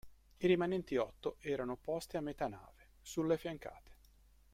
I rimanenti otto erano posti a metà nave, sulle fiancate.